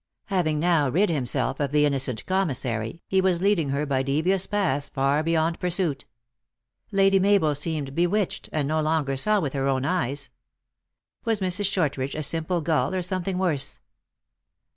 Having now rid himself of the innocent commissary, he was lead ing her by devious paths far beyond pursuit. Lady Mabel seemed bewitched, and no longer saw with her own eyes. Was Mrs. Shortridge a simple gull or something worse